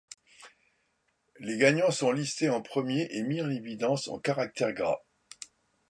Les gagnants sont listés en premier et mis en évidence en caractères gras.